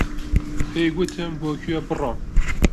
پێی گوتم بۆ کوێ بڕۆم.